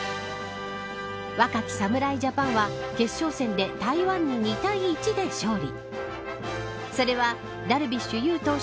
若き侍ジャパンは決勝戦で台湾に２対１で勝利。